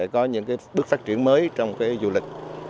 có những bước phát triển mới trong du lịch